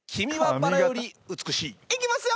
いきますよ。